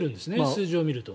数字を見ると。